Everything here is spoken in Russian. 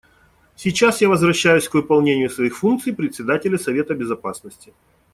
Сейчас я возвращаюсь к выполнению своих функций Председателя Совета Безопасности.